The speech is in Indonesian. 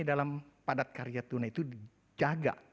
dalam padat karya tuna itu dijaga